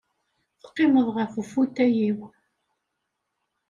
Teqqimeḍ ɣef ufutay-iw.